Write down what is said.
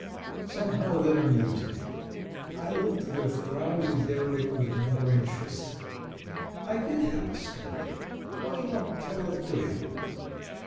Somehow, that amused me. I looked at the frowsy derelict with more interest. I did have a story. Why not tell it to him?